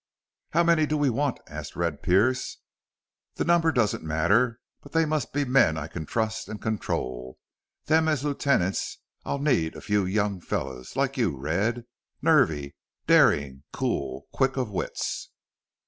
"How many do we want?" asked Red Pearce. "The number doesn't matter. But they must be men I can trust and control. Then as lieutenants I'll need a few young fellows, like you, Red. Nervy, daring, cool, quick of wits."